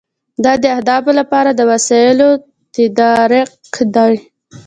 دا د اهدافو لپاره د وسایلو تدارک دی.